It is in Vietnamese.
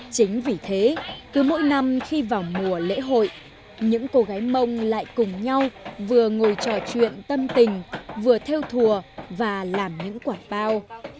chính vì thế cứ mỗi năm khi vào mùa lễ hội những cô gái mông lại cùng nhau vừa ngồi trò chuyện tâm tình vừa theo thùa và làm những quả bao